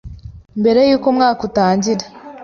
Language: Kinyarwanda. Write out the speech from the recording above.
mbere y’uko umwaka utangira